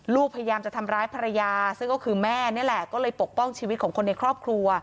พยายามจะทำร้ายภรรยาซึ่งก็คือแม่นี่แหละก็เลยปกป้องชีวิตของคนในครอบครัว